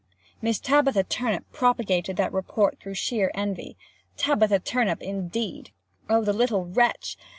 Miss Tabitha Turnip propagated that report through sheer envy. Tabitha Turnip indeed! Oh the little wretch!